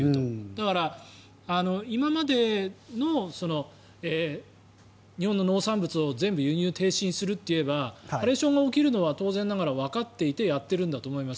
だから、今までの日本の農産物を全部輸入停止にすると言えばハレーションが起きるのは当然わかっていてやっているんだと思います。